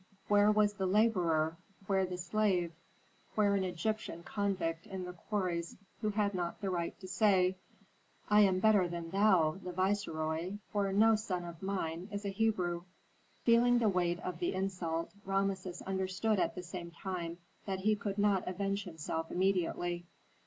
Where was the laborer, where the slave, where an Egyptian convict in the quarries who had not the right to say, "I am better than thou, the viceroy, for no son of mine is a Hebrew." Feeling the weight of the insult, Rameses understood at the same time that he could not avenge himself immediately.